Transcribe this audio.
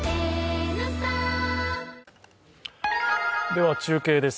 では中継です。